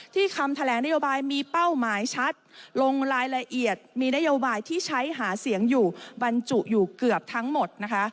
คำแถลงนโยบายมีเป้าหมายชัดลงรายละเอียดมีนโยบายที่ใช้หาเสียงอยู่บรรจุอยู่เกือบทั้งหมดนะคะ